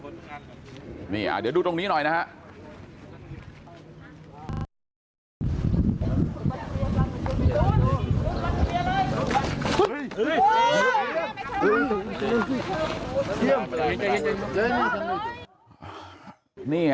เดี๋ยวดูตรงนี้หน่อยนะฮะ